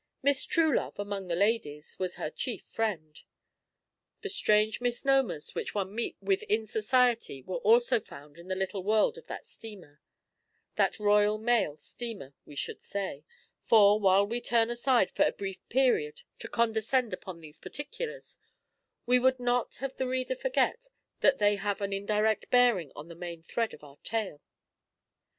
Miss Troolove, among the ladies, was her chief friend. The strange misnomers which one meets with in society were also found in the little world in that steamer that Royal Mail steamer we should say for, while we turn aside for a brief period to condescend upon these particulars, we would not have the reader forget that they have an indirect bearing on the main thread of our tale.